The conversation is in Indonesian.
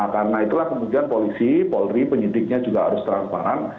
karena itulah kemudian polri penyidiknya juga harus transparan